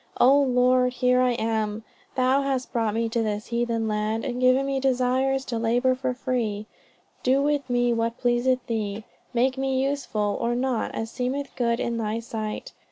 "Oh Lord, here I am; thou hast brought me to this heathen land, and given me desires to labor for thee. Do with me what pleaseth thee. Make me useful or not as seemeth good in thy sight.